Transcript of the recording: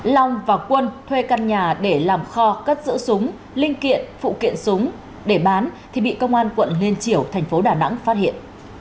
long và quân thuê căn nhà để làm kho cất giữ súng linh kiện phụ kiện súng để bán thì bị công an quận liên triểu thành phố đà nẵng phát hiện